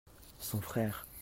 son frère.